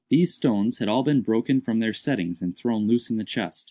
These stones had all been broken from their settings and thrown loose in the chest.